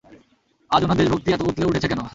আজ উনার দেশভক্তি এত উতলে উঠেছে কেন?